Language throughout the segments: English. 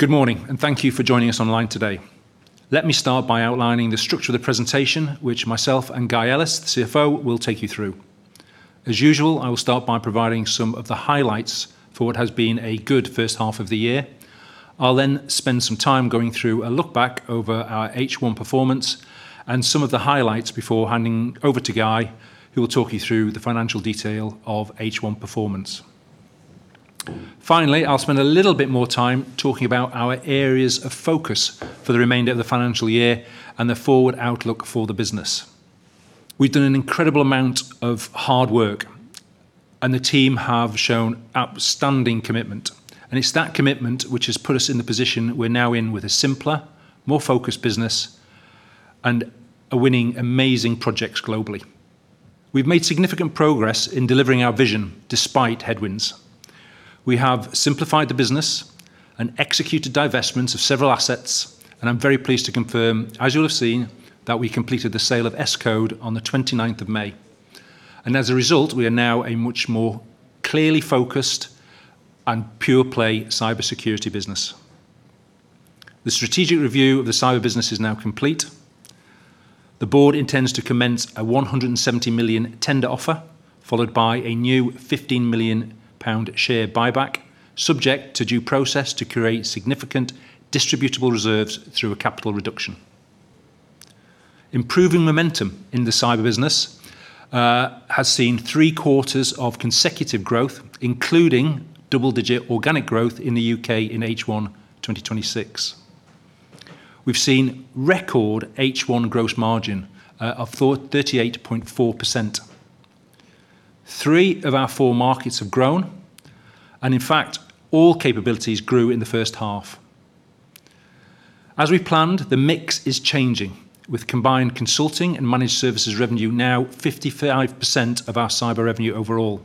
Good morning, thank you for joining us online today. Let me start by outlining the structure of the presentation, which myself and Guy Ellis, the CFO, will take you through. As usual, I will start by providing some of the highlights for what has been a good first half of the year. I'll then spend some time going through a look back over our H1 performance and some of the highlights before handing over to Guy, who will talk you through the financial detail of H1 performance. Finally, I'll spend a little bit more time talking about our areas of focus for the remainder of the financial year and the forward outlook for the business. We've done an incredible amount of hard work, the team have shown outstanding commitment. It's that commitment which has put us in the position we're now in with a simpler, more focused business, and are winning amazing projects globally. We've made significant progress in delivering our vision despite headwinds. We have simplified the business and executed divestments of several assets, I'm very pleased to confirm, as you'll have seen, that we completed the sale of Escode on the 29th of May. As a result, we are now a much more clearly focused and pure-play cybersecurity business. The strategic review of the cyber business is now complete. The board intends to commence a 170 million tender offer, followed by a new 15 million pound share buyback, subject to due process to create significant distributable reserves through a capital reduction. Improving momentum in the cyber business has seen three quarters of consecutive growth, including double-digit organic growth in the U.K. in H1 2026. We've seen record H1 gross margin of 38.4%. Three of our four markets have grown, in fact, all capabilities grew in the first half. As we planned, the mix is changing, with combined consulting and managed services revenue now 55% of our cyber revenue overall.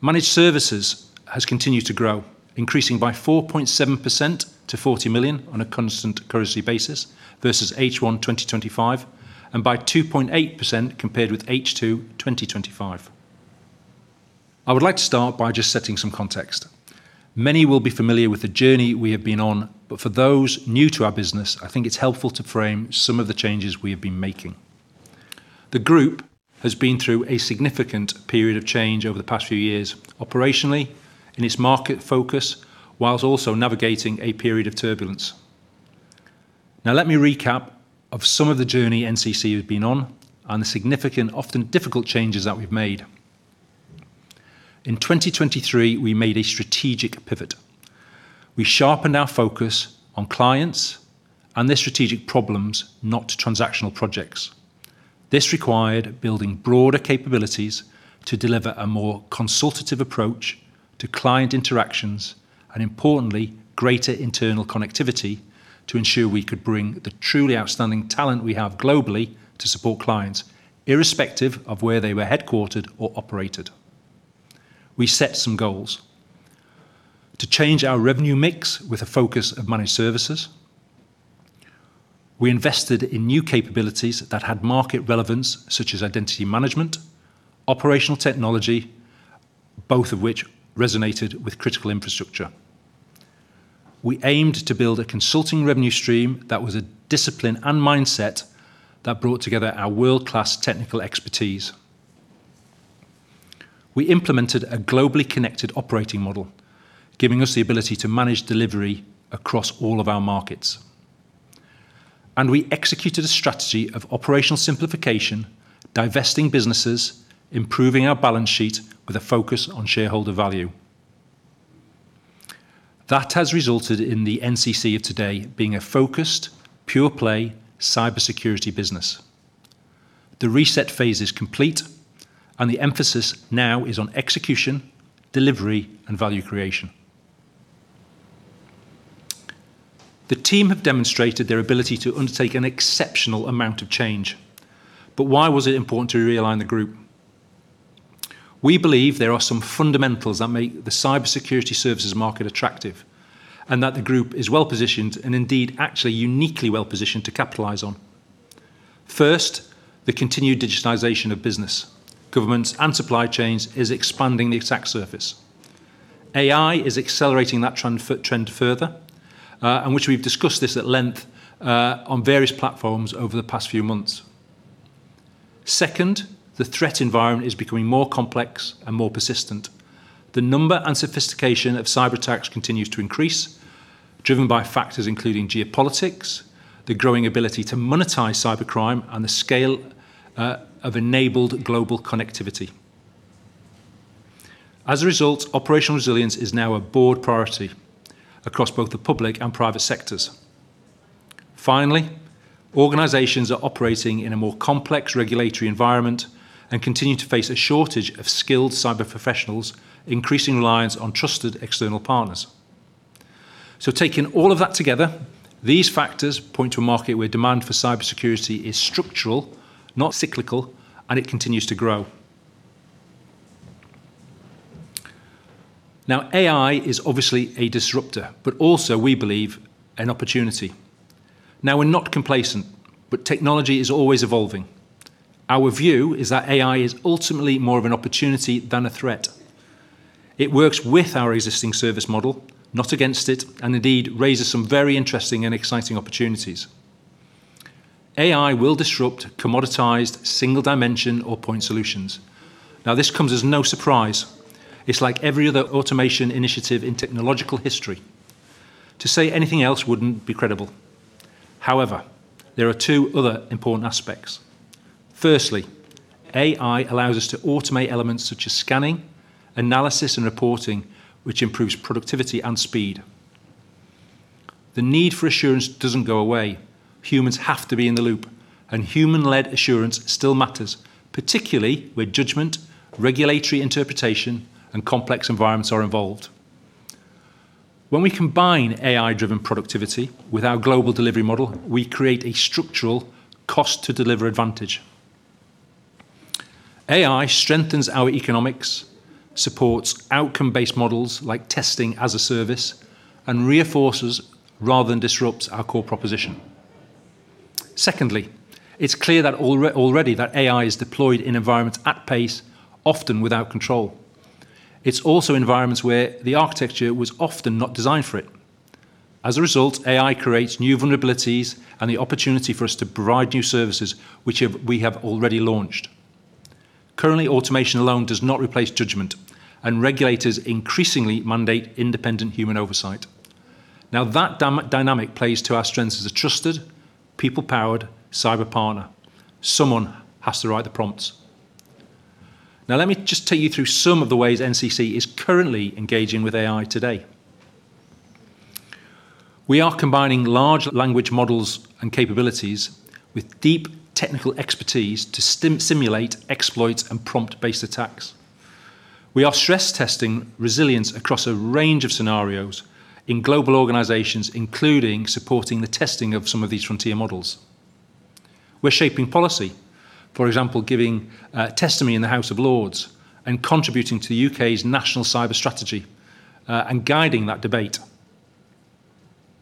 Managed services has continued to grow, increasing by 4.7% to 40 million on a constant currency basis versus H1 2025, by 2.8% compared with H2 2025. I would like to start by just setting some context. Many will be familiar with the journey we have been on, but for those new to our business, I think it's helpful to frame some of the changes we have been making. The group has been through a significant period of change over the past few years operationally, in its market focus, whilst also navigating a period of turbulence. Let me recap of some of the journey NCC has been on and the significant, often difficult changes that we've made. In 2023, we made a strategic pivot. We sharpened our focus on clients and their strategic problems, not transactional projects. This required building broader capabilities to deliver a more consultative approach to client interactions and importantly, greater internal connectivity to ensure we could bring the truly outstanding talent we have globally to support clients, irrespective of where they were headquartered or operated. We set some goals. To change our revenue mix with a focus of managed services. We invested in new capabilities that had market relevance, such as identity management, operational technology, both of which resonated with critical infrastructure. We aimed to build a consulting revenue stream that was a discipline and mindset that brought together our world-class technical expertise. We implemented a globally connected operating model, giving us the ability to manage delivery across all of our markets. We executed a strategy of operational simplification, divesting businesses, improving our balance sheet with a focus on shareholder value. That has resulted in the NCC of today being a focused, pure-play cybersecurity business. The reset phase is complete, and the emphasis now is on execution, delivery, and value creation. The team have demonstrated their ability to undertake an exceptional amount of change. Why was it important to realign the group? We believe there are some fundamentals that make the cybersecurity services market attractive, and that the group is well-positioned, and indeed, actually uniquely well-positioned to capitalize on. First, the continued digitization of business, governments, and supply chains is expanding the attack surface. AI is accelerating that trend further, which we've discussed this at length on various platforms over the past few months. Second, the threat environment is becoming more complex and more persistent. The number and sophistication of cyber attacks continues to increase, driven by factors including geopolitics, the growing ability to monetize cybercrime, and the scale of enabled global connectivity. As a result, operational resilience is now a board priority across both the public and private sectors. Finally, organizations are operating in a more complex regulatory environment and continue to face a shortage of skilled cyber professionals, increasing reliance on trusted external partners. Taking all of that together, these factors point to a market where demand for cybersecurity is structural, not cyclical, and it continues to grow. Now, AI is obviously a disruptor, also, we believe, an opportunity. Now, we're not complacent, technology is always evolving. Our view is that AI is ultimately more of an opportunity than a threat. It works with our existing service model, not against it, indeed raises some very interesting and exciting opportunities. AI will disrupt commoditized single dimension or point solutions. Now, this comes as no surprise. It's like every other automation initiative in technological history. To say anything else wouldn't be credible. However, there are two other important aspects. Firstly, AI allows us to automate elements such as scanning, analysis, and reporting, which improves productivity and speed. The need for assurance doesn't go away. Humans have to be in the loop, and human-led assurance still matters, particularly where judgment, regulatory interpretation, and complex environments are involved. When we combine AI-driven productivity with our global delivery model, we create a structural cost-to-deliver advantage. AI strengthens our economics, supports outcome-based models like testing-as-a-service, reinforces rather than disrupts our core proposition. Secondly, it's clear already that AI is deployed in environments at pace, often without control. It's also environments where the architecture was often not designed for it. As a result, AI creates new vulnerabilities and the opportunity for us to provide new services, which we have already launched. Currently, automation alone does not replace judgment. Regulators increasingly mandate independent human oversight. Now, that dynamic plays to our strengths as a trusted, people-powered cyber partner. Someone has to write the prompts. Now, let me just take you through some of the ways NCC is currently engaging with AI today. We are combining large language models and capabilities with deep technical expertise to simulate exploits and prompt-based attacks. We are stress-testing resilience across a range of scenarios in global organizations, including supporting the testing of some of these frontier models. We are shaping policy, for example, giving testimony in the House of Lords and contributing to the U.K.'s national cyber strategy, and guiding that debate.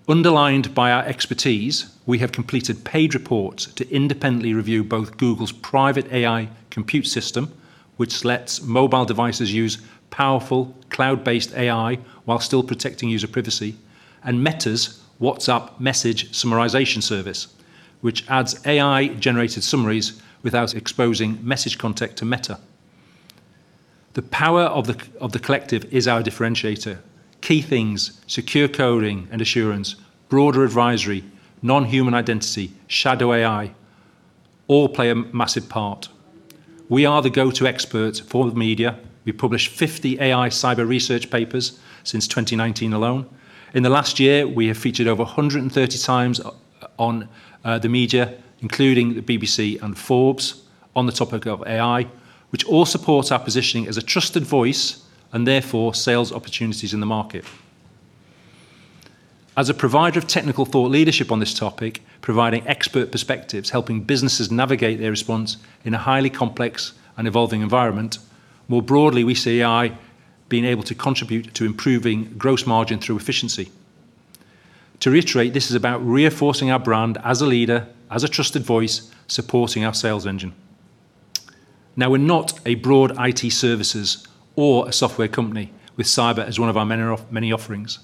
Underlined by our expertise, we have completed paid reports to independently review both Google's private AI compute system, which lets mobile devices use powerful cloud-based AI while still protecting user privacy, and Meta's WhatsApp message summarization service, which adds AI-generated summaries without exposing message content to Meta. The power of the collective is our differentiator. Key things, secure coding and assurance, broader advisory, non-human identity, shadow AI, all play a massive part. We are the go-to experts for the media. We have published 50 AI cyber research papers since 2019 alone. In the last year, we have featured over 130 times on the media, including the BBC and Forbes, on the topic of AI, which all supports our positioning as a trusted voice, and therefore sales opportunities in the market. As a provider of technical thought leadership on this topic, providing expert perspectives, helping businesses navigate their response in a highly complex and evolving environment, more broadly, we see AI being able to contribute to improving gross margin through efficiency. To reiterate, this is about reinforcing our brand as a leader, as a trusted voice, supporting our sales engine. We are not a broad IT services or a software company with cyber as one of our many offerings.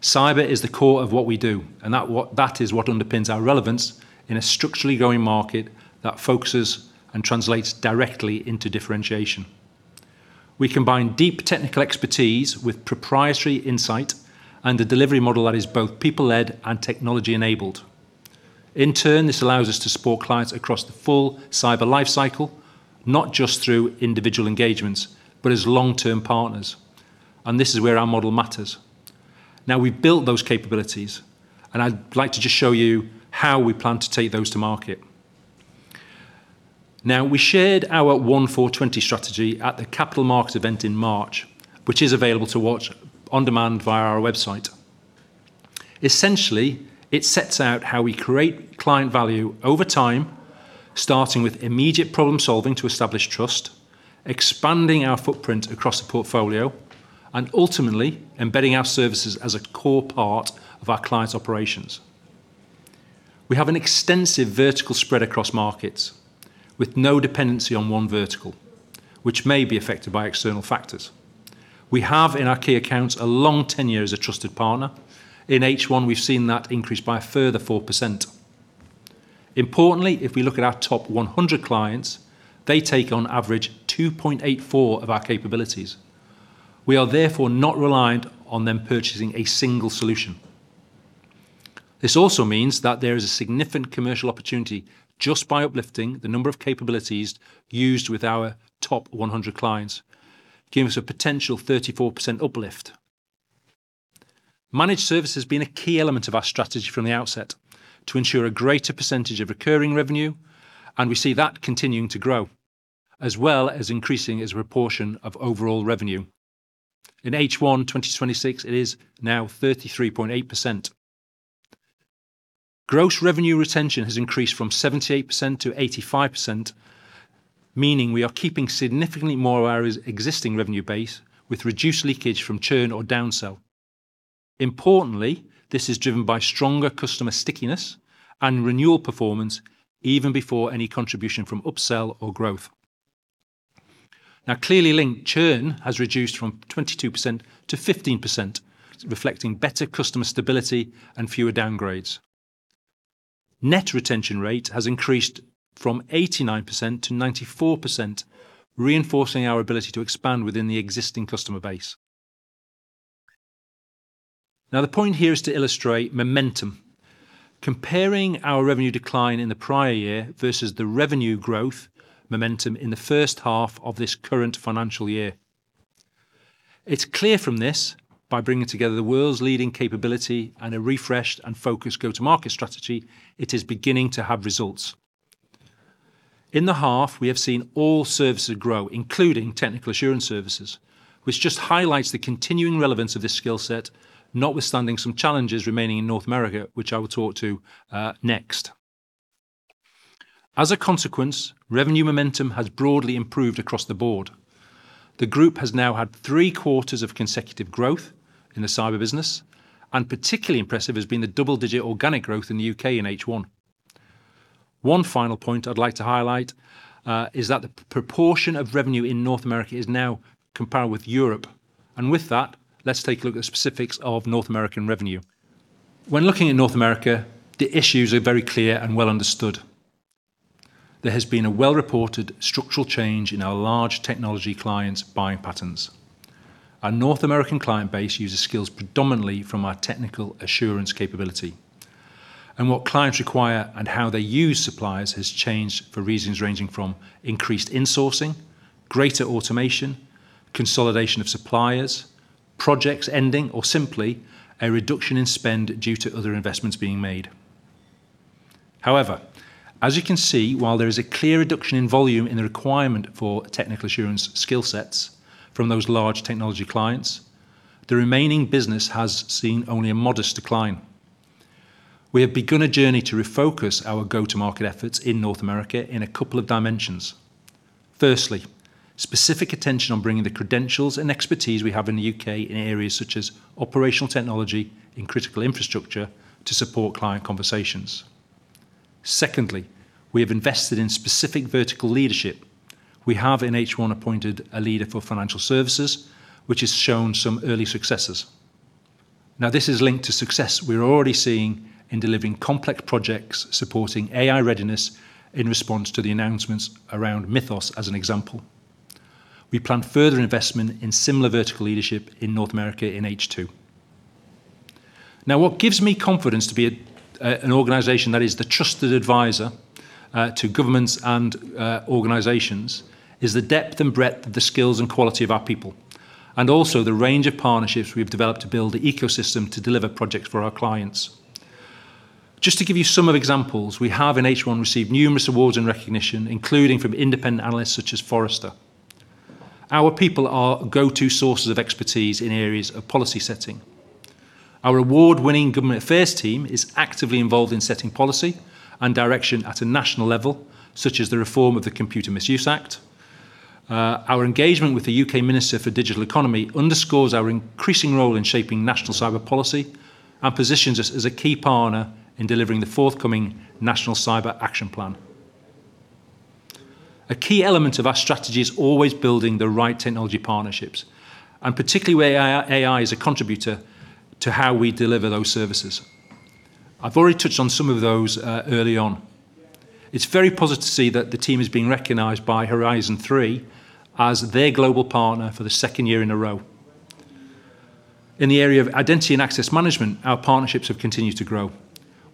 Cyber is the core of what we do, that is what underpins our relevance in a structurally growing market that focuses and translates directly into differentiation. We combine deep technical expertise with proprietary insight and a delivery model that is both people-led and technology-enabled. In turn, this allows us to support clients across the full cyber lifecycle, not just through individual engagements, but as long-term partners. This is where our model matters. We have built those capabilities, I would like to just show you how we plan to take those to market. We shared our 1-4-20 strategy at the Capital Markets event in March, which is available to watch on demand via our website. Essentially, it sets out how we create client value over time, starting with immediate problem-solving to establish trust, expanding our footprint across the portfolio, and ultimately embedding our services as a core part of our client's operations. We have an extensive vertical spread across markets with no dependency on one vertical, which may be affected by external factors. We have in our key accounts a long tenure as a trusted partner. In H1, we have seen that increase by a further 4%. Importantly, if we look at our top 100 clients, they take on average 2.84 of our capabilities. We are therefore not reliant on them purchasing a single solution. This also means that there is a significant commercial opportunity just by uplifting the number of capabilities used with our top 100 clients, giving us a potential 34% uplift. Managed service has been a key element of our strategy from the outset to ensure a greater percentage of recurring revenue, we see that continuing to grow, as well as increasing as a proportion of overall revenue. In H1 2026, it is now 33.8%. Gross revenue retention has increased from 78% to 85%. Meaning we are keeping significantly more of our existing revenue base with reduced leakage from churn or downsell. Importantly, this is driven by stronger customer stickiness and renewal performance even before any contribution from upsell or growth. Clearly linked, churn has reduced from 22% to 15%, reflecting better customer stability and fewer downgrades. Net retention rate has increased from 89% to 94%, reinforcing our ability to expand within the existing customer base. The point here is to illustrate momentum. Comparing our revenue decline in the prior year versus the revenue growth momentum in the first half of this current financial year. It's clear from this, by bringing together the world's leading capability and a refreshed and focused go-to-market strategy, it is beginning to have results. In the half, we have seen all services grow, including technical assurance services, which just highlights the continuing relevance of this skill set, notwithstanding some challenges remaining in North America, which I will talk to next. As a consequence, revenue momentum has broadly improved across the board. The group has now had three quarters of consecutive growth in the cyber business, particularly impressive has been the double-digit organic growth in the U.K. in H1. One final point I'd like to highlight is that the proportion of revenue in North America is now comparable with Europe. With that, let's take a look at the specifics of North American revenue. When looking at North America, the issues are very clear and well understood. There has been a well-reported structural change in our large technology clients' buying patterns. Our North American client base uses skills predominantly from our technical assurance capability, and what clients require and how they use suppliers has changed for reasons ranging from increased insourcing, greater automation, consolidation of suppliers, projects ending, or simply a reduction in spend due to other investments being made. However, as you can see, while there is a clear reduction in volume in the requirement for technical assurance skill sets from those large technology clients, the remaining business has seen only a modest decline. We have begun a journey to refocus our go-to-market efforts in North America in a couple of dimensions. Firstly, specific attention on bringing the credentials and expertise we have in the U.K. in areas such as operational technology and critical infrastructure to support client conversations. Secondly, we have invested in specific vertical leadership. We have in H1 appointed a leader for financial services, which has shown some early successes. This is linked to success we're already seeing in delivering complex projects supporting AI readiness in response to the announcements around Mythos, as an example. We plan further investment in similar vertical leadership in North America in H2. What gives me confidence to be an organization that is the trusted advisor to governments and organizations is the depth and breadth of the skills and quality of our people, also the range of partnerships we've developed to build the ecosystem to deliver projects for our clients. Just to give you some of examples, we have in H1 received numerous awards and recognition, including from independent analysts such as Forrester. Our people are go-to sources of expertise in areas of policy setting. Our award-winning government affairs team is actively involved in setting policy and direction at a national level, such as the reform of the Computer Misuse Act. Our engagement with the UK Minister for Digital Economy underscores our increasing role in shaping national cyber policy and positions us as a key partner in delivering the forthcoming National Cyber Action Plan. A key element of our strategy is always building the right technology partnerships, particularly where AI is a contributor to how we deliver those services. I've already touched on some of those early on. It's very positive to see that the team is being recognized by Horizon3 as their global partner for the second year in a row. In the area of Identity and Access Management, our partnerships have continued to grow.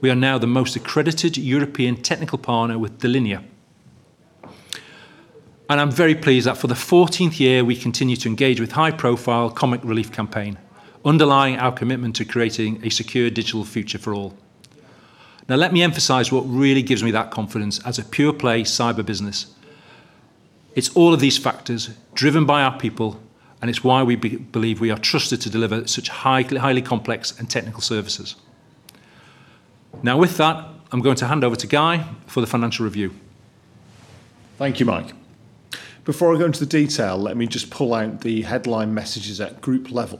We are now the most accredited European technical partner with Delinea. I'm very pleased that for the 14th year, we continue to engage with high-profile Comic Relief campaign, underlying our commitment to creating a secure digital future for all. Now, let me emphasize what really gives me that confidence as a pure-play cyber business. It's all of these factors driven by our people, and it's why we believe we are trusted to deliver such highly complex and technical services. Now, with that, I'm going to hand over to Guy for the financial review. Thank you, Mike. Before I go into the detail, let me just pull out the headline messages at group level.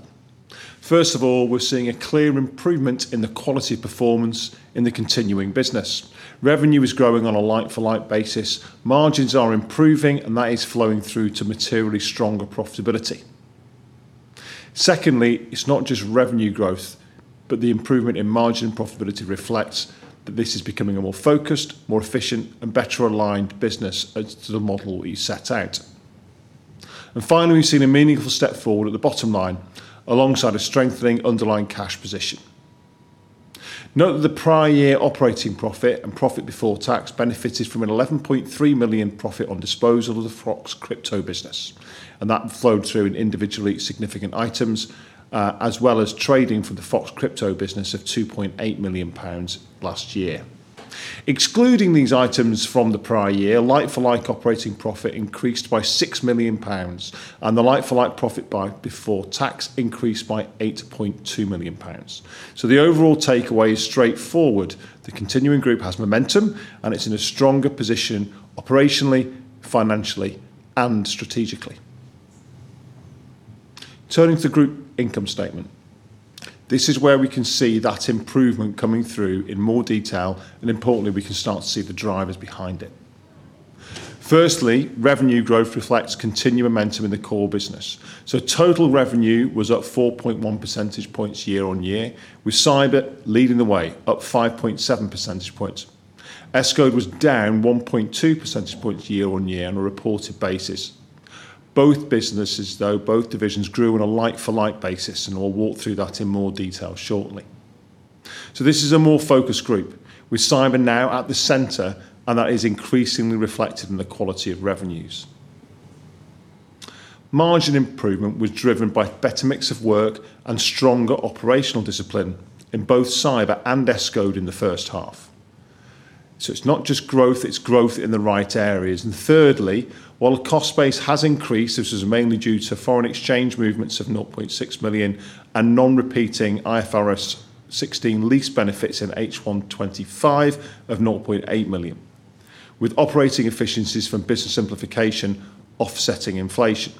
First of all, we're seeing a clear improvement in the quality of performance in the continuing business. Revenue is growing on a like-for-like basis, margins are improving, that is flowing through to materially stronger profitability. Secondly, it's not just revenue growth, but the improvement in margin profitability reflects that this is becoming a more focused, more efficient, and better-aligned business to the model we set out. Finally, we've seen a meaningful step forward at the bottom line alongside a strengthening underlying cash position. Note that the prior year operating profit and profit before tax benefited from a 11.3 million profit on disposal of the Fox Crypto business, that flowed through in individually significant items, as well as trading for the Fox Crypto business of 2.8 million pounds last year. Excluding these items from the prior year, like-for-like operating profit increased by 6 million pounds, the like-for-like profit before tax increased by 8.2 million pounds. The overall takeaway is straightforward: The continuing group has momentum, it's in a stronger position operationally, financially, and strategically. Turning to the group income statement. This is where we can see that improvement coming through in more detail, importantly, we can start to see the drivers behind it. Firstly, revenue growth reflects continued momentum in the core business. Total revenue was up 4.1 percentage points year on year, with cyber leading the way up 5.7 percentage points. Escode was down 1.2 percentage points year-on-year on a reported basis. Both businesses, though, both divisions grew on a like-for-like basis, and I'll walk through that in more detail shortly. This is a more focused group, with cyber now at the center, and that is increasingly reflected in the quality of revenues. Margin improvement was driven by better mix of work and stronger operational discipline in both cyber and Escode in the first half. It's not just growth, it's growth in the right areas. Thirdly, while the cost base has increased, this is mainly due to foreign exchange movements of 0.6 million and non-repeating IFRS 16 lease benefits in H1 2025 of 0.8 million. With operating efficiencies from business simplification offsetting inflation.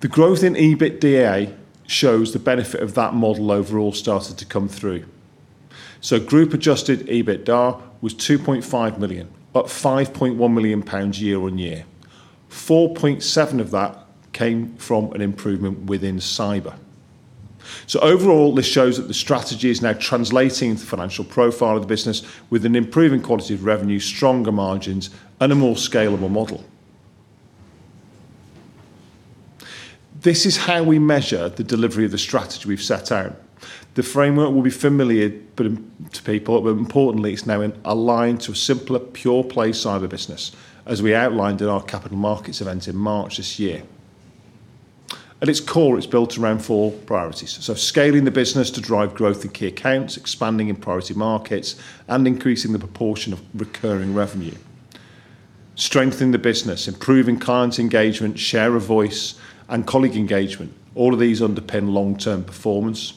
The growth in EBITDA shows the benefit of that model overall started to come through. Group adjusted EBITDA was 2.5 million, up 5.1 million pounds year-on-year. 4.7 of that came from an improvement within cyber. Overall, this shows that the strategy is now translating into the financial profile of the business with an improving quality of revenue, stronger margins, and a more scalable model. This is how we measure the delivery of the strategy we've set out. The framework will be familiar to people, but importantly, it's now aligned to a simpler pure play cyber business, as we outlined in our capital markets event in March this year. At its core, it's built around four priorities. Scaling the business to drive growth in key accounts, expanding in priority markets, and increasing the proportion of recurring revenue. Strengthening the business, improving client engagement, share of voice, and colleague engagement. All of these underpin long-term performance.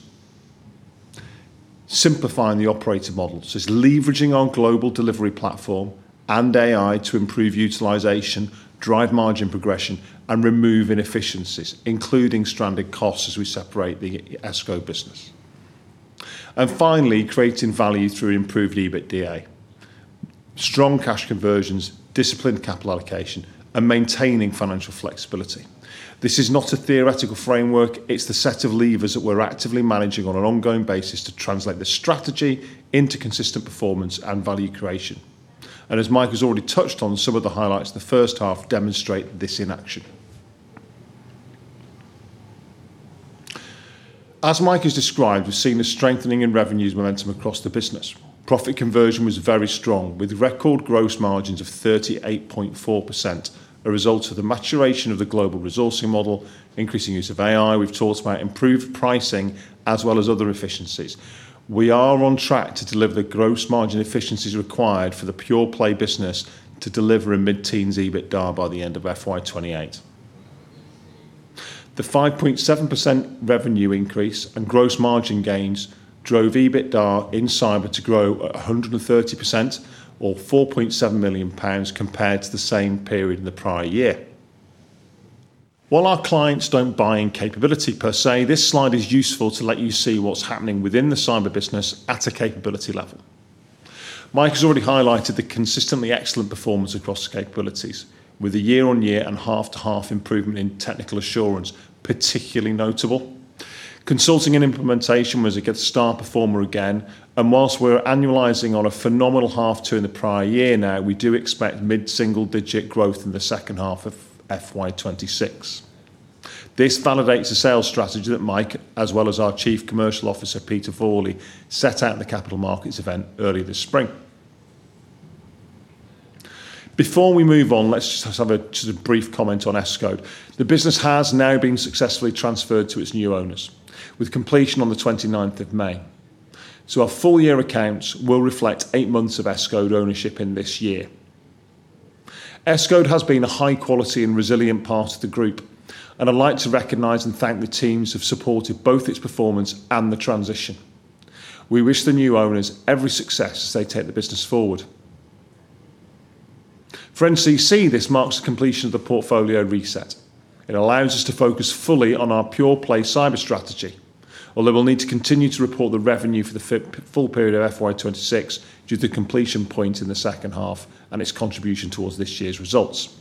Simplifying the operating model. It's leveraging our global delivery platform and AI to improve utilization, drive margin progression, and remove inefficiencies, including stranded costs as we separate the Escode business. Finally, creating value through improved EBITDA. Strong cash conversions, disciplined capital allocation, and maintaining financial flexibility. This is not a theoretical framework. It's the set of levers that we're actively managing on an ongoing basis to translate the strategy into consistent performance and value creation. As Mike has already touched on, some of the highlights of the first half demonstrate this in action. As Mike has described, we've seen a strengthening in revenues momentum across the business. Profit conversion was very strong, with record gross margins of 38.4%, a result of the maturation of the global resourcing model, increasing use of AI. We've talked about improved pricing as well as other efficiencies. We are on track to deliver the gross margin efficiencies required for the pure play business to deliver a mid-teens EBITDA by the end of FY 2028. The 5.7% revenue increase and gross margin gains drove EBITDA in cyber to grow at 130% or 4.7 million pounds compared to the same period in the prior year. While our clients don't buy in capability per se, this slide is useful to let you see what's happening within the cyber business at a capability level. Mike has already highlighted the consistently excellent performance across capabilities, with a year-on-year and half-to-half improvement in technical assurance particularly notable. Consulting and implementation was again star performer again, and whilst we're annualizing on a phenomenal half two in the prior year now, we do expect mid-single-digit growth in the second half of FY 2026. This validates the sales strategy that Mike, as well as our Chief Commercial Officer, Peter Frawley, set out in the capital markets event early this spring. Before we move on, let's just have a brief comment on Escode. The business has now been successfully transferred to its new owners, with completion on the 29th of May. Our full-year accounts will reflect eight months of Escode ownership in this year. Escode has been a high quality and resilient part of the group, and I'd like to recognize and thank the teams who've supported both its performance and the transition. We wish the new owners every success as they take the business forward. For NCC, this marks the completion of the portfolio reset. It allows us to focus fully on our pure play cyber strategy, although we'll need to continue to report the revenue for the full period of FY 2026 due to the completion point in the second half and its contribution towards this year's results.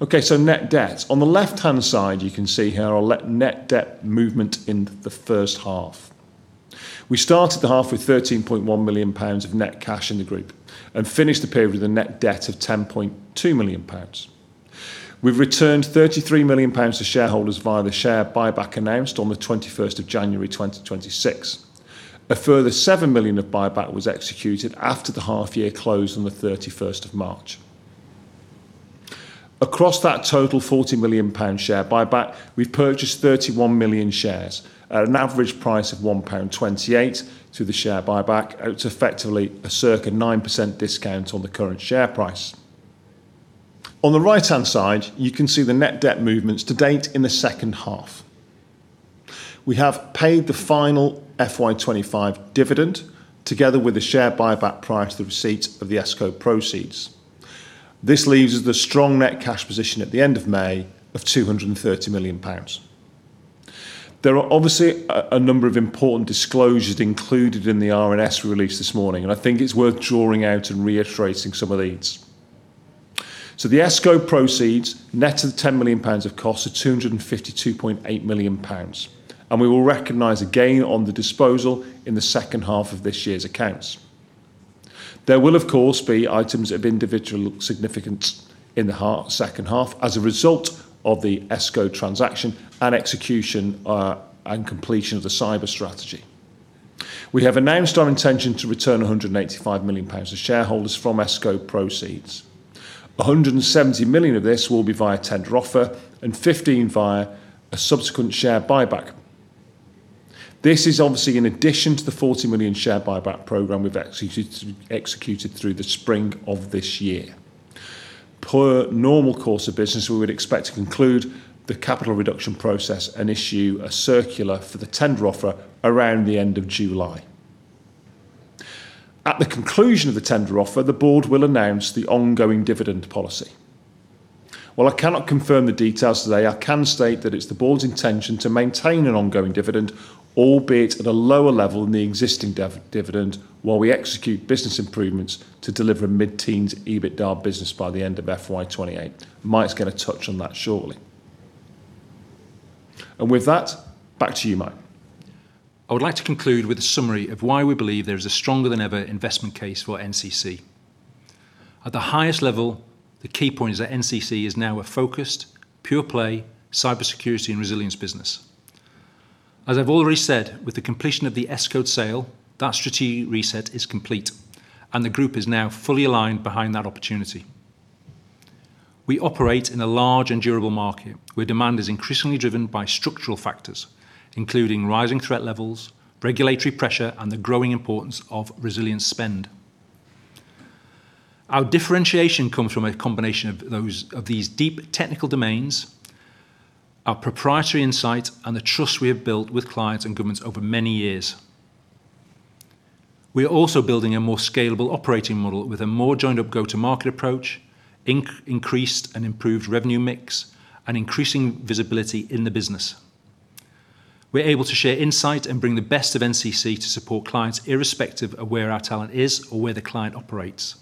Net debt. On the left-hand side, you can see here our net debt movement in the first half. We started the half with GBP 13.1 million of net cash in the group and finished the period with a net debt of 10.2 million pounds. We've returned 33 million pounds to shareholders via the share buyback announced on the 21st of January 2026. A further seven million of buyback was executed after the half year closed on the 31st of March. Across that total 40 million pound share buyback, we've purchased 31 million shares at an average price of 1.28 pound through the share buyback. It's effectively a circa 9% discount on the current share price. On the right-hand side, you can see the net debt movements to date in the second half. We have paid the final FY 2025 dividend together with the share buyback prior to the receipt of the Escode proceeds. This leaves us with a strong net cash position at the end of May of 230 million pounds. There are obviously a number of important disclosures included in the RNS release this morning, and I think it's worth drawing out and reiterating some of these. The Escode proceeds net of 10 million pounds of cost are 252.8 million pounds, and we will recognize a gain on the disposal in the second half of this year's accounts. There will, of course, be items of individual significance in the second half as a result of the Escode transaction and execution and completion of the cyber strategy. We have announced our intention to return 185 million pounds to shareholders from Escode proceeds. 170 million of this will be via tender offer and 15 via a subsequent share buyback. This is obviously in addition to the 40 million share buyback program we've executed through the spring of this year. Per normal course of business, we would expect to conclude the capital reduction process and issue a circular for the tender offer around the end of July. At the conclusion of the tender offer, the board will announce the ongoing dividend policy. While I cannot confirm the details today, I can state that it's the board's intention to maintain an ongoing dividend, albeit at a lower level than the existing dividend, while we execute business improvements to deliver mid-teens EBITDA business by the end of FY 2028. Mike's going to touch on that shortly. With that, back to you, Mike. I would like to conclude with a summary of why we believe there is a stronger than ever investment case for NCC. At the highest level, the key point is that NCC is now a focused, pure play, cybersecurity and resilience business. As I've already said, with the completion of the Escode sale, that strategic reset is complete, and the group is now fully aligned behind that opportunity. We operate in a large and durable market where demand is increasingly driven by structural factors, including rising threat levels, regulatory pressure, and the growing importance of resilience spend. Our differentiation comes from a combination of these deep technical domains, our proprietary insight, and the trust we have built with clients and governments over many years. We are also building a more scalable operating model with a more joined-up go-to-market approach, increased and improved revenue mix, and increasing visibility in the business. We are able to share insight and bring the best of NCC to support clients irrespective of where our talent is or where the client operates.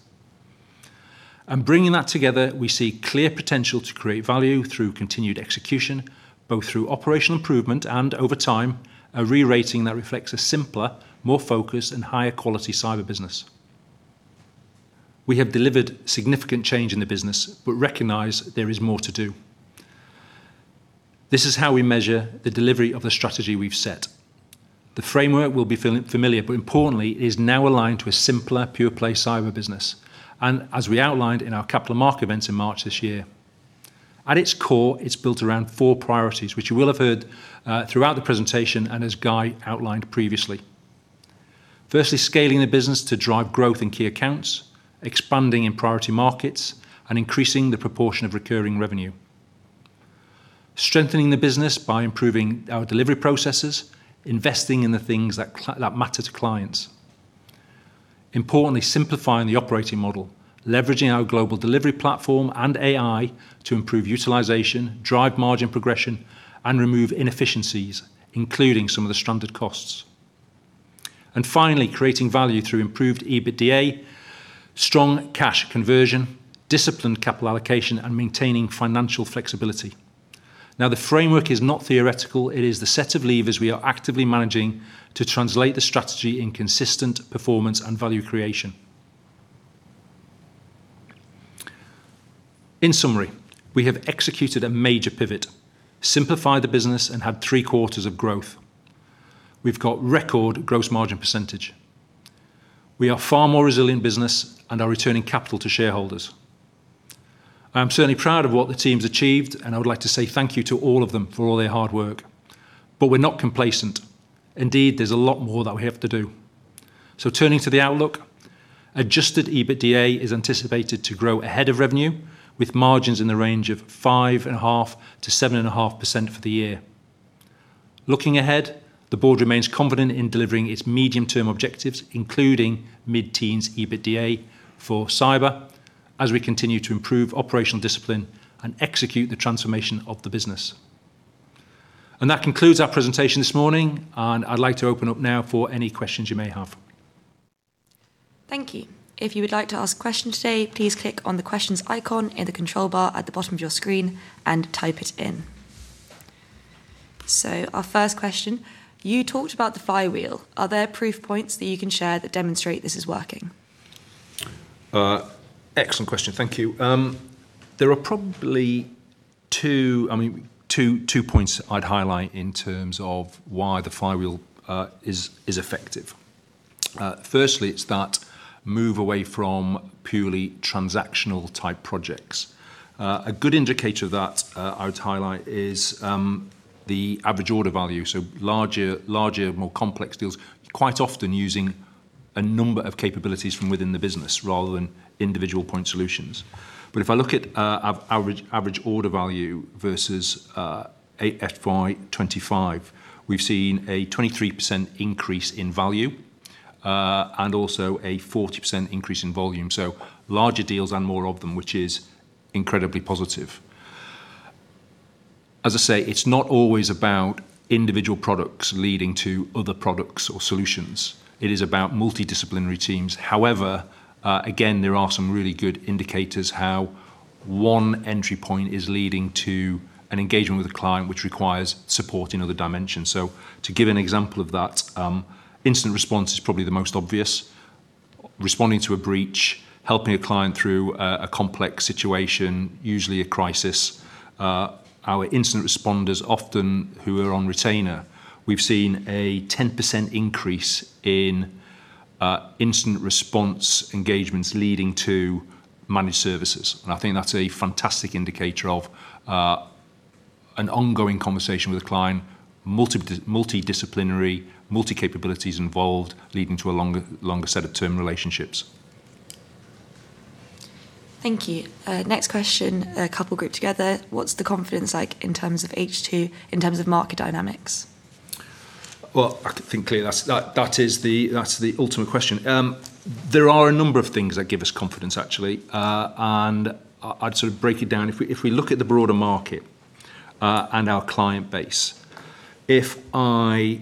Bringing that together, we see clear potential to create value through continued execution, both through operational improvement and, over time, a re-rating that reflects a simpler, more focused, and higher quality cyber business. We have delivered significant change in the business but recognize there is more to do. This is how we measure the delivery of the strategy we've set. The framework will be familiar, but importantly, it is now aligned to a simpler, pure play cyber business. As we outlined in our capital market events in March this year. At its core, it's built around four priorities, which you will have heard throughout the presentation and as Guy outlined previously. Firstly, scaling the business to drive growth in key accounts, expanding in priority markets, and increasing the proportion of recurring revenue. Strengthening the business by improving our delivery processes, investing in the things that matter to clients. Importantly, simplifying the operating model, leveraging our global delivery platform and AI to improve utilization, drive margin progression, and remove inefficiencies, including some of the stranded costs. Finally, creating value through improved EBITDA, strong cash conversion, disciplined capital allocation, and maintaining financial flexibility. Now, the framework is not theoretical. It is the set of levers we are actively managing to translate the strategy in consistent performance and value creation. In summary, we have executed a major pivot, simplified the business, and had three quarters of growth. We've got record gross margin %. We are far more resilient business and are returning capital to shareholders. I'm certainly proud of what the team's achieved, I would like to say thank you to all of them for all their hard work. We're not complacent. Indeed, there's a lot more that we have to do. Turning to the outlook, adjusted EBITDA is anticipated to grow ahead of revenue, with margins in the range of 5.5%-7.5% for the year. Looking ahead, the board remains confident in delivering its medium-term objectives, including mid-teens EBITDA for cyber as we continue to improve operational discipline and execute the transformation of the business. That concludes our presentation this morning, I'd like to open up now for any questions you may have. Thank you. If you would like to ask a question today, please click on the Questions icon in the control bar at the bottom of your screen and type it in. Our first question: You talked about the flywheel. Are there proof points that you can share that demonstrate this is working? Excellent question. Thank you. There are probably two points I'd highlight in terms of why the flywheel is effective. Firstly, it's that move away from purely transactional type projects. A good indicator of that I would highlight is the average order value. Larger, more complex deals, quite often using a number of capabilities from within the business rather than individual point solutions. If I look at average order value versus FY 2025, we've seen a 23% increase in value, and also a 40% increase in volume. Larger deals and more of them, which is incredibly positive. As I say, it's not always about individual products leading to other products or solutions. It is about multidisciplinary teams. However, again, there are some really good indicators how one entry point is leading to an engagement with a client which requires support in other dimensions. To give an example of that, incident response is probably the most obvious. Responding to a breach, helping a client through a complex situation, usually a crisis. Our incident responders often who are on retainer. We've seen a 10% increase in incident response engagements leading to managed services. I think that's a fantastic indicator of an ongoing conversation with a client, multidisciplinary, multi capabilities involved, leading to a longer set of term relationships. Thank you. Next question, a couple grouped together. What's the confidence like in terms of H2 in terms of market dynamics? Well, I think clearly that's the ultimate question. There are a number of things that give us confidence actually. I'd sort of break it down. If we look at the broader market, and our client base. There's a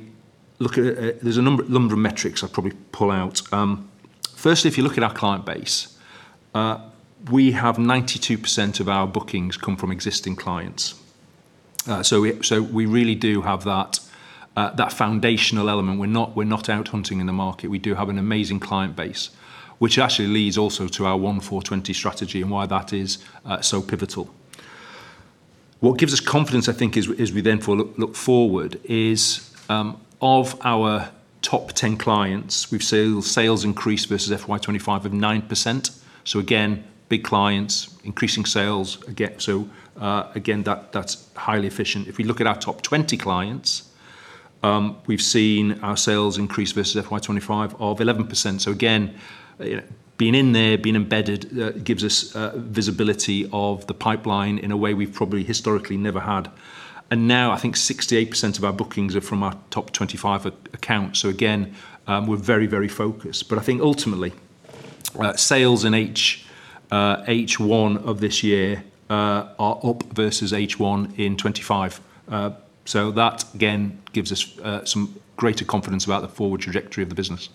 number of metrics I'd probably pull out. Firstly, if you look at our client base, we have 92% of our bookings come from existing clients. We really do have that foundational element. We're not out hunting in the market. We do have an amazing client base, which actually leads also to our 1-4-20 strategy and why that is so pivotal. What gives us confidence, I think, as we then look forward is, of our top 10 clients, we've seen sales increase versus FY 2025 of 9%. Again, big clients, increasing sales. Again, that's highly efficient. If we look at our top 20 clients, we've seen our sales increase versus FY 2025 of 11%. Again, being in there, being embedded, gives us visibility of the pipeline in a way we've probably historically never had. Now I think 68% of our bookings are from our top 25 accounts. Again, we're very, very focused. I think ultimately, sales in H1 of this year are up versus H1 in 2025. That, again, gives us some greater confidence about the forward trajectory of the business.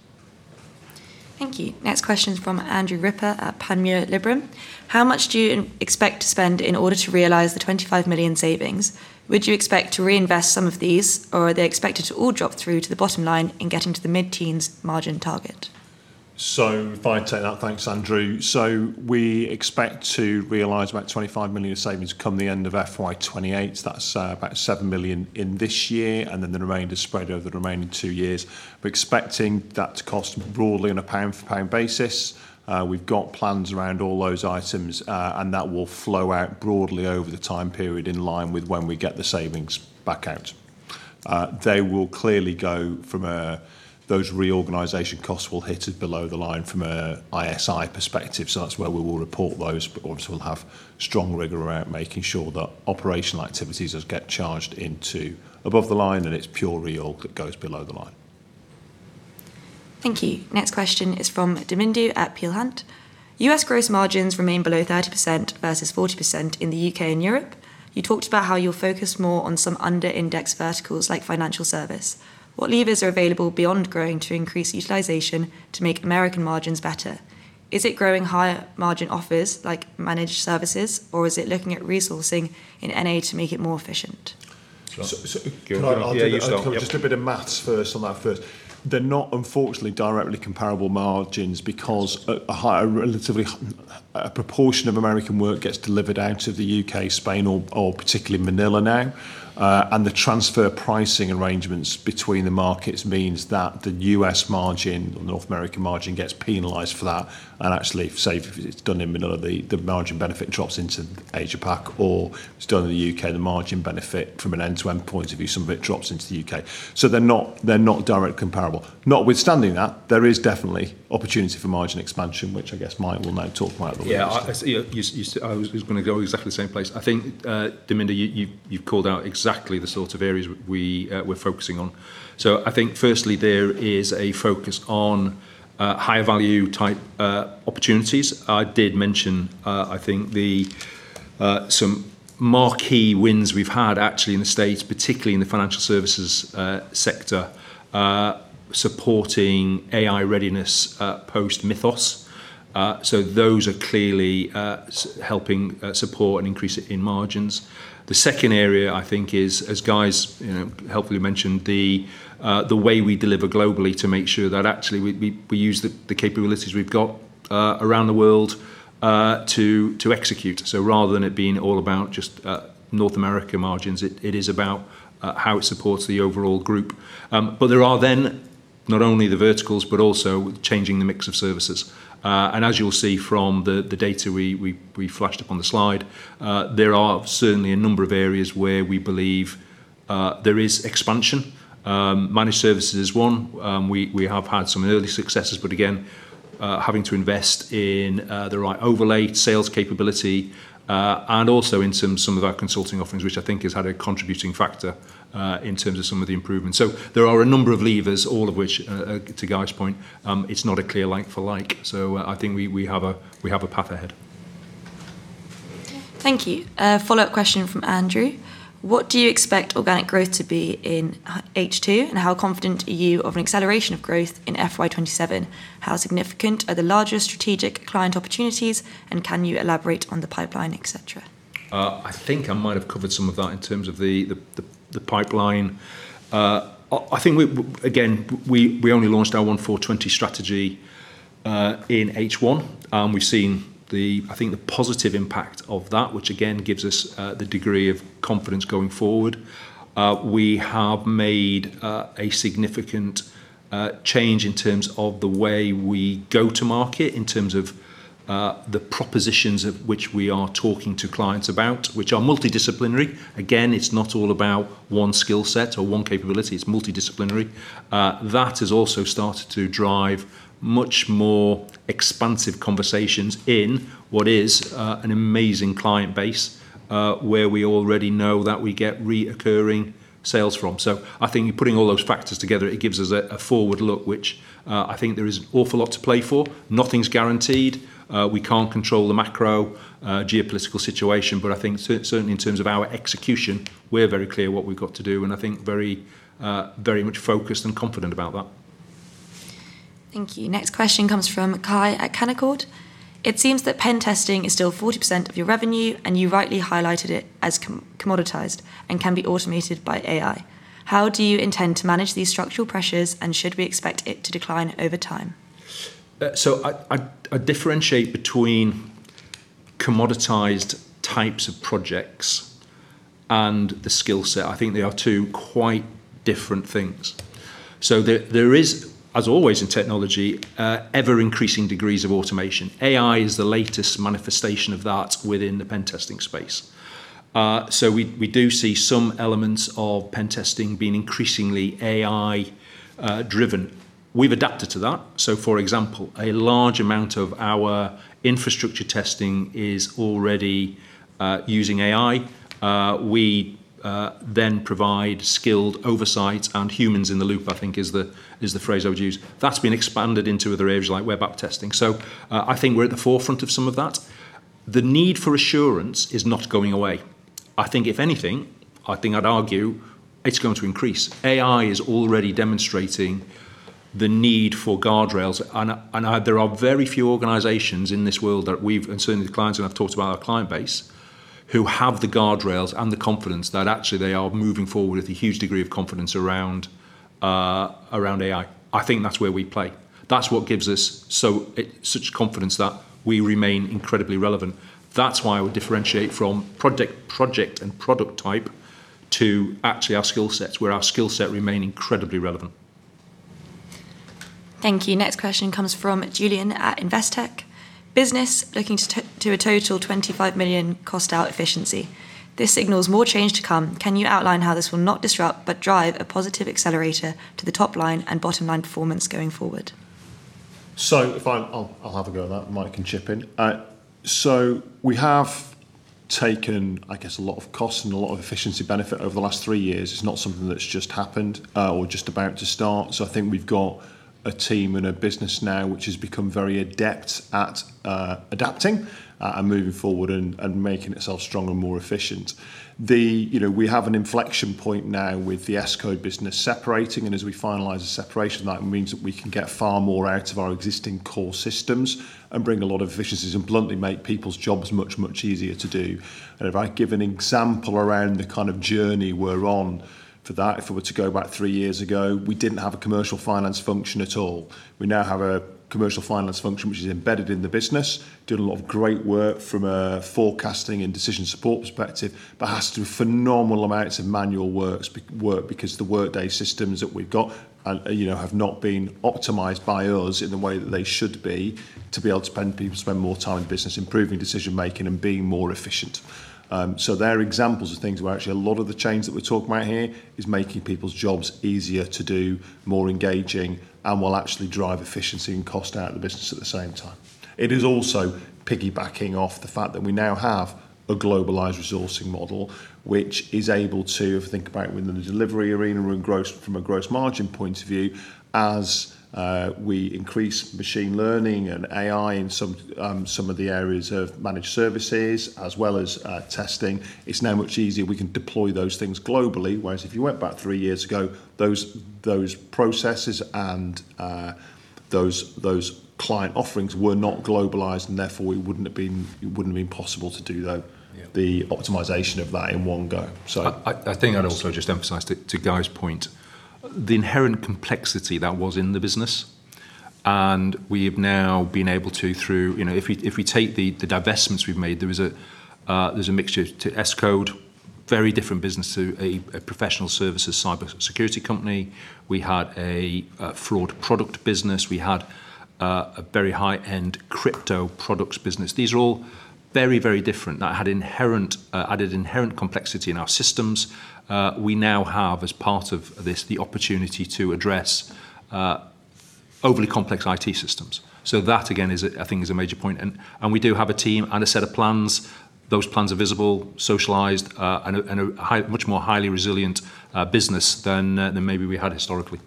Thank you. Next question is from Andrew Ripper at Panmure Liberum. How much do you expect to spend in order to realize the 25 million savings? Would you expect to reinvest some of these, or are they expected to all drop through to the bottom line in getting to the mid-teens margin target? If I take that, thanks, Andrew. We expect to realize about 25 million of savings come the end of FY 2028. That's about 7 million in this year, and then the remainder spread over the remaining 2 years. We're expecting that to cost broadly on a pound-for-pound basis. We've got plans around all those items, and that will flow out broadly over the time period in line with when we get the savings back out. They will clearly go from those reorganization costs will hit it below the line from a ISI perspective. That's where we will report those, but obviously we'll have strong rigor around making sure that operational activities get charged into above the line and it's pure reorg that goes below the line. Thank you. Next question is from Damindu at Peel Hunt. U.S. gross margins remain below 30% versus 40% in the U.K. and Europe. You talked about how you'll focus more on some under-indexed verticals like financial service. What levers are available beyond growing to increase utilization to make American margins better? Is it growing higher margin offers like managed services, or is it looking at resourcing in N.A. to make it more efficient? So- Can I- Yeah, you start. Yep I'll do just a bit of math first on that first. They're not, unfortunately, directly comparable margins because a proportion of U.S. work gets delivered out of the U.K., Spain, or particularly Manila now. The transfer pricing arrangements between the markets means that the U.S. margin, or North American margin, gets penalized for that, and actually say if it's done in Manila, the margin benefit drops into Asia Pac or if it's done in the U.K., the margin benefit from an end-to-end point of view, some of it drops into the U.K. They're not directly comparable. Notwithstanding that, there is definitely opportunity for margin expansion, which I guess Mike will now talk about a little bit. Yeah. I was going to go exactly the same place. I think, Damindu, you've called out exactly the sorts of areas we're focusing on. I think firstly there is a focus on higher value type opportunities. I did mention, I think, some marquee wins we've had actually in the U.S., particularly in the financial services sector, supporting AI readiness post-Mythos. Those are clearly helping support an increase in margins. The second area I think is, as Guy's helpfully mentioned, the way we deliver globally to make sure that actually we use the capabilities we've got around the world to execute. Rather than it being all about just North America margins, it is about how it supports the overall group. There are then not only the verticals, but also changing the mix of services. As you'll see from the data we flashed up on the slide, there are certainly a number of areas where we believe there is expansion. Managed service is one. We have had some early successes, but again, having to invest in the right overlay, sales capability, and also in some of our consulting offerings, which I think has had a contributing factor in terms of some of the improvements. There are a number of levers, all of which, to Guy's point, it's not a clear like for like. I think we have a path ahead. Thank you. A follow-up question from Andrew. What do you expect organic growth to be in H2, and how confident are you of an acceleration of growth in FY 2027? How significant are the larger strategic client opportunities, and can you elaborate on the pipeline, et cetera? I think I might have covered some of that in terms of the pipeline. Again, we only launched our 1-4-20 strategy in H1. We've seen the positive impact of that, which again gives us the degree of confidence going forward. We have made a significant change in terms of the way we go to market, in terms of the propositions of which we are talking to clients about, which are multidisciplinary. Again, it's not all about one skill set or one capability. It's multidisciplinary. That has also started to drive much more expansive conversations in what is an amazing client base, where we already know that we get reoccurring sales from. Putting all those factors together, it gives us a forward look, which I think there is an awful lot to play for. Nothing's guaranteed. We can't control the macro geopolitical situation. Certainly in terms of our execution, we're very clear what we've got to do, very much focused and confident about that. Thank you. Next question comes from Kai at Canaccord. It seems that pen testing is still 40% of your revenue, and you rightly highlighted it as commoditized and can be automated by AI. How do you intend to manage these structural pressures, and should we expect it to decline over time? I differentiate between commoditized types of projects and the skill set. They are two quite different things. There is, as always in technology, ever-increasing degrees of automation. AI is the latest manifestation of that within the pen testing space. We do see some elements of pen testing being increasingly AI-driven. We've adapted to that. For example, a large amount of our infrastructure testing is already using AI. We then provide skilled oversight and humans in the loop, is the phrase I would use. That's been expanded into other areas like web app testing. We're at the forefront of some of that. The need for assurance is not going away. If anything, I'd argue it's going to increase. AI is already demonstrating the need for guardrails, there are very few organizations in this world that we've, certainly the clients that I've talked to about our client base, who have the guardrails and the confidence that actually they are moving forward with a huge degree of confidence around AI. I think that's where we play. That's what gives us such confidence that we remain incredibly relevant. That's why I would differentiate from project and product type to actually our skill sets, where our skill set remain incredibly relevant. Thank you. Next question comes from Julian at Investec. Business looking to a total 25 million cost out efficiency. This signals more change to come. Can you outline how this will not disrupt but drive a positive accelerator to the top line and bottom line performance going forward? I'll have a go at that. Mike can chip in. We have taken, I guess, a lot of cost and a lot of efficiency benefit over the last three years. It's not something that's just happened, or just about to start. I think we've got a team and a business now which has become very adept at adapting, moving forward and making itself stronger and more efficient. We have an inflection point now with the Escode business separating, as we finalize the separation, that means that we can get far more out of our existing core systems and bring a lot of efficiencies and bluntly make people's jobs much easier to do. If I give an example around the kind of journey we're on for that, if I were to go back three years ago, we didn't have a commercial finance function at all. We now have a commercial finance function, which is embedded in the business, doing a lot of great work from a forecasting and decision support perspective, but has to do phenomenal amounts of manual work because the Workday systems that we've got have not been optimized by us in the way that they should be to be able to people spend more time in the business improving decision-making and being more efficient. There are examples of things where actually a lot of the change that we're talking about here is making people's jobs easier to do, more engaging, and will actually drive efficiency and cost out of the business at the same time. It is also piggybacking off the fact that we now have a globalized resourcing model, which is able to, if you think about it within the delivery arena from a gross margin point of view, as we increase machine learning and AI in some of the areas of managed services as well as testing, it's now much easier. We can deploy those things globally. Whereas if you went back three years ago, those processes and those client offerings were not globalized and therefore it wouldn't have been possible to do the optimization of that in one go. I think I'd also just emphasize to Guy's point, the inherent complexity that was in the business. We've now been able to, if we take the divestments we've made, there's a mixture to Escode, very different business to a professional services cybersecurity company. We had a fraud product business. We had a very high-end crypto products business. These are all very different. That added inherent complexity in our systems. We now have, as part of this, the opportunity to address overly complex IT systems. That, again, I think is a major point. We do have a team and a set of plans. Those plans are visible, socialized, and a much more highly resilient business than maybe we had historically.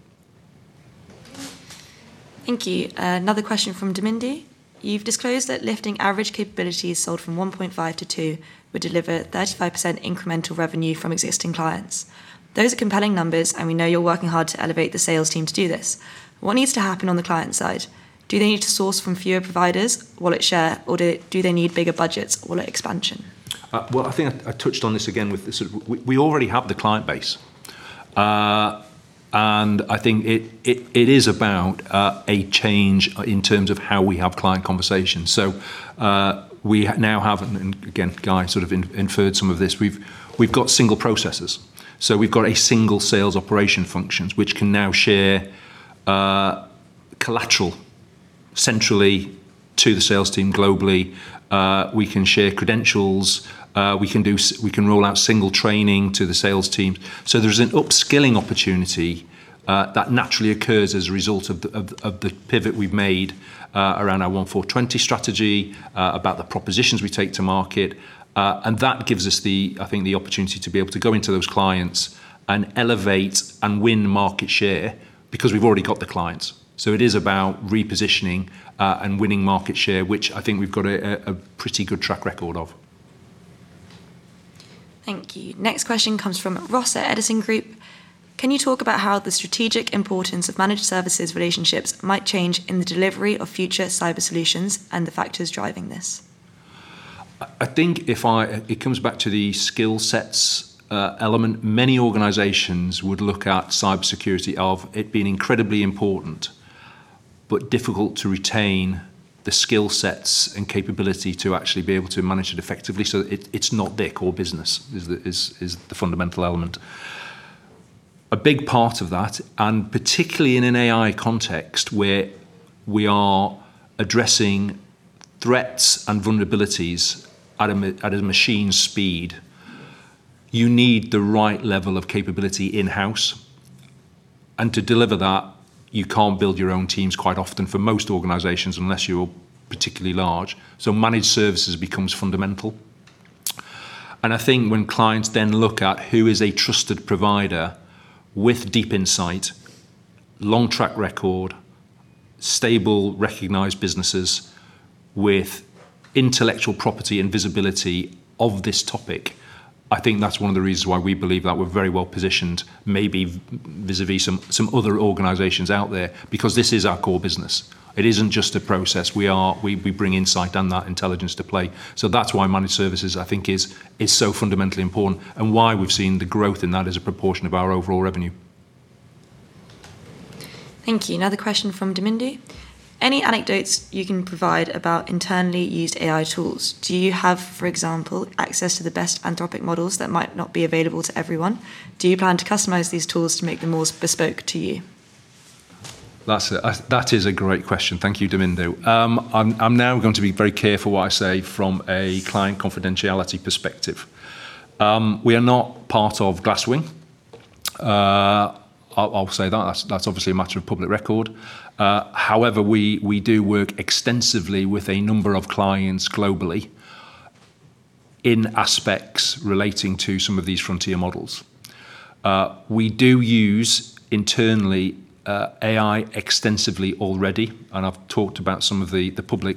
Thank you. Another question from Damindu. You've disclosed that lifting average capabilities sold from 1.5 to 2 would deliver 35% incremental revenue from existing clients. Those are compelling numbers, and we know you're working hard to elevate the sales team to do this. What needs to happen on the client side? Do they need to source from fewer providers, wallet share, or do they need bigger budgets, wallet expansion? Well, I think I touched on this again with this. We already have the client base. I think it is about a change in terms of how we have client conversations. We now have, and again, Guy sort of inferred some of this. We've got single processes. We've got a single sales operation functions, which can now share collateral centrally to the sales team globally. We can share credentials. We can roll out single training to the sales teams. There's an upskilling opportunity that naturally occurs as a result of the pivot we've made around our 1-4-20 strategy, about the propositions we take to market. That gives us, I think, the opportunity to be able to go into those clients and elevate and win market share because we've already got the clients. It is about repositioning and winning market share, which I think we've got a pretty good track record of. Thank you. Next question comes from Ross at Edison Group. Can you talk about how the strategic importance of managed services relationships might change in the delivery of future cyber solutions and the factors driving this? I think it comes back to the skill sets element. Many organizations would look at cybersecurity of it being incredibly important, but difficult to retain the skill sets and capability to actually be able to manage it effectively. It's not the core business is the fundamental element. A big part of that, and particularly in an AI context where we are addressing threats and vulnerabilities at a machine speed, you need the right level of capability in-house. To deliver that, you can't build your own teams quite often for most organizations, unless you're particularly large. Managed services becomes fundamental. I think when clients then look at who is a trusted provider with deep insight, long track record, stable, recognized businesses with intellectual property and visibility of this topic, I think that's one of the reasons why we believe that we're very well-positioned, maybe vis-a-vis some other organizations out there, because this is our core business. It isn't just a process. We bring insight and that intelligence to play. That's why managed services, I think is so fundamentally important and why we've seen the growth in that as a proportion of our overall revenue. Thank you. Another question from Damindu. Any anecdotes you can provide about internally used AI tools? Do you have, for example, access to the best Anthropic models that might not be available to everyone? Do you plan to customize these tools to make them more bespoke to you? That is a great question. Thank you, Damindu. I'm now going to be very careful what I say from a client confidentiality perspective. We are not part of Glasswing. I'll say that. That's obviously a matter of public record. We do work extensively with a number of clients globally in aspects relating to some of these frontier models. We do use internally AI extensively already, and I've talked about some of the public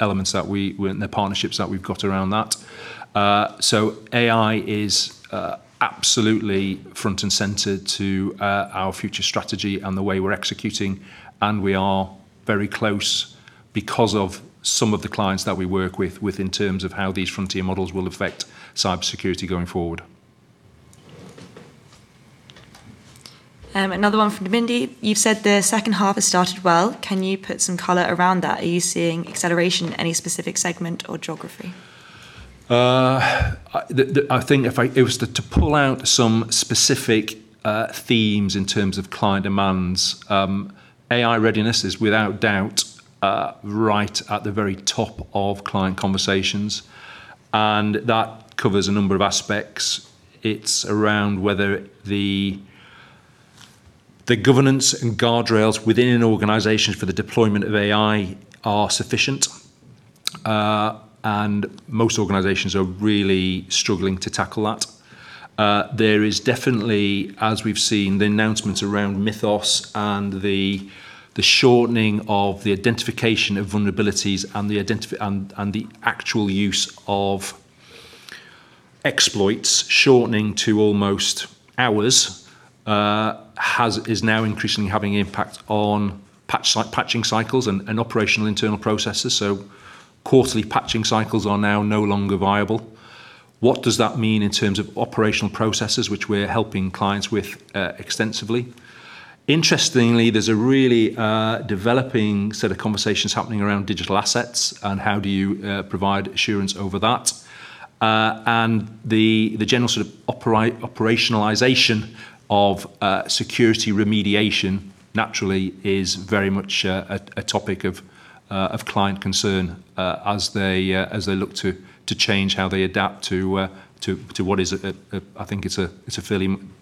elements and the partnerships that we've got around that. AI is absolutely front and center to our future strategy and the way we're executing, and we are very close because of some of the clients that we work with in terms of how these frontier models will affect cybersecurity going forward. Another one from Damindu. You've said the second half has started well. Can you put some color around that? Are you seeing acceleration in any specific segment or geography? I think if it was to pull out some specific themes in terms of client demands, AI readiness is without doubt right at the very top of client conversations, and that covers a number of aspects. It's around whether the governance and guardrails within an organization for the deployment of AI are sufficient, and most organizations are really struggling to tackle that. There is definitely, as we've seen, the announcements around Mythos and the shortening of the identification of vulnerabilities and the actual use of exploits shortening to almost hours is now increasingly having impact on patching cycles and operational internal processes. Quarterly patching cycles are now no longer viable. What does that mean in terms of operational processes, which we're helping clients with extensively? Interestingly, there's a really developing set of conversations happening around digital assets, and how do you provide assurance over that? The general sort of operationalization of security remediation naturally is very much a topic of client concern as they look to change how they adapt to what is, I think it's a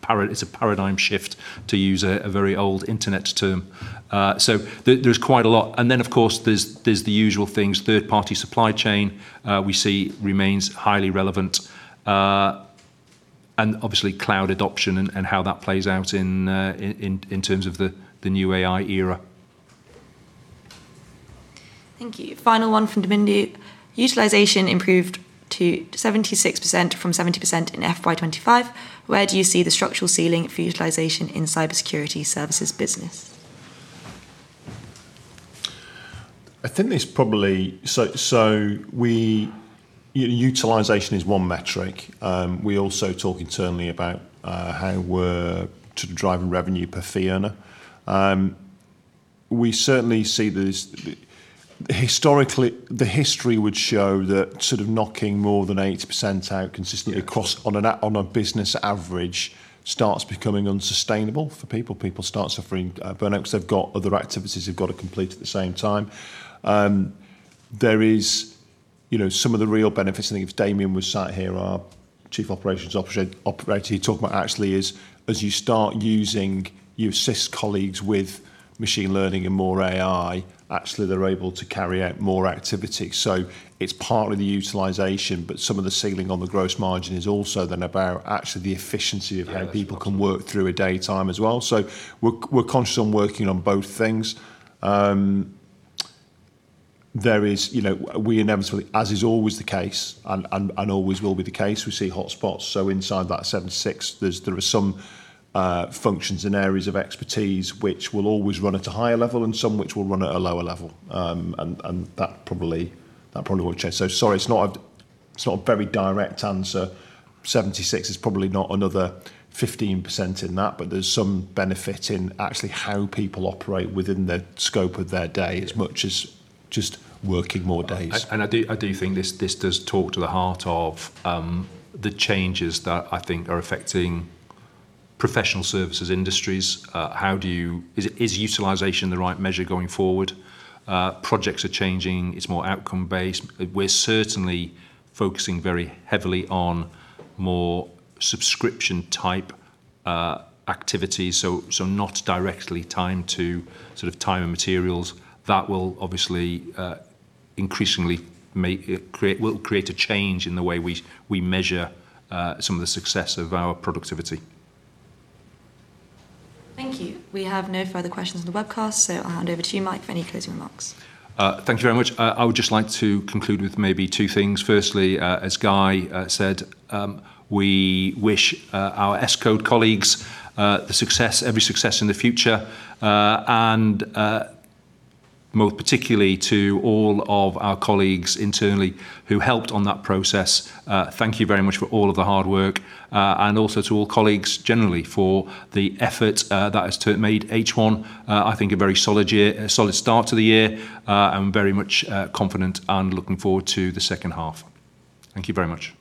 paradigm shift, to use a very old internet term. There's quite a lot. Then, of course, there's the usual things. Third-party supply chain we see remains highly relevant. Obviously cloud adoption and how that plays out in terms of the new AI era. Thank you. Final one from Damindu. Utilization improved to 76% from 70% in FY 2025. Where do you see the structural ceiling for utilization in cybersecurity services business? Utilization is one metric. We also talk internally about how we're sort of driving revenue per fee earner. We certainly see there's Historically, the history would show that sort of knocking more than 80% out consistently across on a business average starts becoming unsustainable for people. People start suffering burnout because they've got other activities they've got to complete at the same time. Some of the real benefits, I think if Damian was sat here, our Chief Operations Officer, he'd talk about actually is as you start using, you assist colleagues with machine learning and more AI, actually they're able to carry out more activity. It's partly the utilization, but some of the ceiling on the gross margin is also then about actually the efficiency of how people can work through a daytime as well. We're conscious on working on both things. As is always the case and always will be the case, we see hotspots. Inside that 76%, there are some functions and areas of expertise which will always run at a higher level and some which will run at a lower level. That probably won't change. Sorry, it's not a very direct answer. 76% is probably not another 15% in that, but there's some benefit in actually how people operate within the scope of their day, as much as just working more days. I do think this does talk to the heart of the changes that I think are affecting professional services industries. Is utilization the right measure going forward? Projects are changing. It's more outcome-based. We're certainly focusing very heavily on more subscription-type activities, so not directly tied to sort of time and materials. That will obviously increasingly create a change in the way we measure some of the success of our productivity. Thank you. We have no further questions on the webcast, I'll hand over to you, Mike, for any closing remarks. Thank you very much. I would just like to conclude with maybe two things. Firstly, as Guy said, we wish our Escode colleagues every success in the future. Most particularly to all of our colleagues internally who helped on that process, thank you very much for all of the hard work. Also to all colleagues generally for the effort that has made H1 I think a very solid start to the year, and very much confident and looking forward to the second half. Thank you very much.